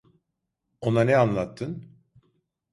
Ona ne anlattın?